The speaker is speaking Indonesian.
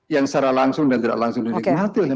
yang secara langsung dan tidak langsung didikmati oleh